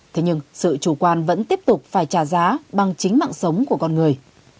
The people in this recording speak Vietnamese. thế nhưng sự chủ quan vẫn tiếp tục phải trả giá bằng chính mạng sống của con người